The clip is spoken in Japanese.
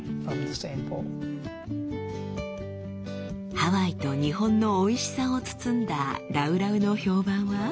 ハワイと日本のおいしさを包んだラウラウの評判は？